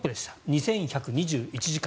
２１２１時間。